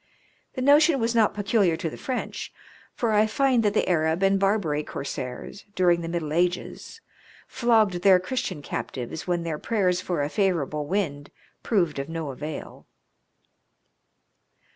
The notion was not peculiar to the French, for I find that the Arab and Barbary corsairs, during the middle ages, flogged their Christian captives when their prayers for a favourable wind proved of no avail.